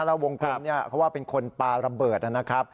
แล้ววงกลมเนี่ยเขาว่าเป็นคนปลาระเบิดนะครับ